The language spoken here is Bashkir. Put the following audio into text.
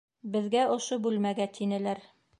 Беҙгә ошо бүлмәгә тинеләр.